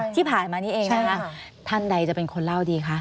ที่ผ่านมานี้เองนะคะท่านใดจะเป็นคนเล่าดีคะ